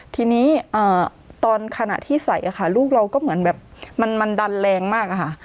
ทีนี้ตอนขณะที่ใส่ค่ะลูกเราก็เหมือนแบบมันดันแรงมากอะค่ะ